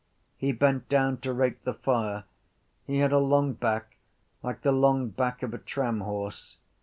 He bent down to rake the fire. He had a long back like the long back of a tramhorse.